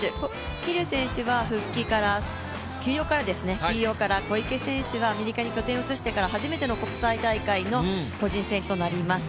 桐生選手は休養から、小池選手はアメリカに拠点を移してから初めての国際大会の個人戦となります。